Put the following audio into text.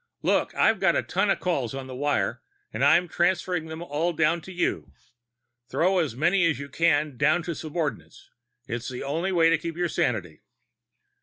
"Look, I've got a ton of calls on the wire, and I'm transferring them all down to you. Throw as many as you can down to the subordinates. It's the only way to keep your sanity."